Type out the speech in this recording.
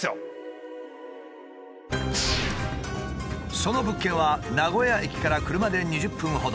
その物件は名古屋駅から車で２０分ほど。